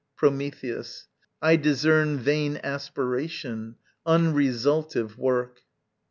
Prometheus. I discern Vain aspiration, unresultive work.